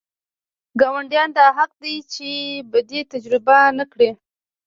ګاونډیانو دا حق دی چې بدي تجربه نه کړي.